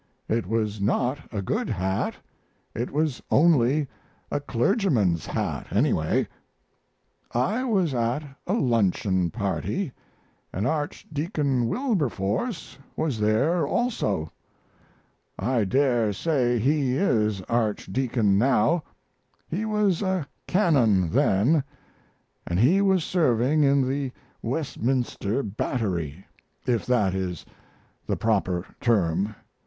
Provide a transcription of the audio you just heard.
It was not a good hat it was only a clergyman's hat, anyway. I was at a luncheon party and Archdeacon Wilberforce was there also. I dare say he is archdeacon now he was a canon then and he was serving in the Westminster Battery, if that is the proper term.